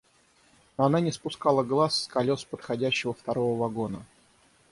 Но она не спускала глаз с колес подходящего второго вагона.